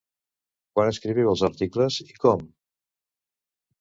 Quan escriviu els articles i com?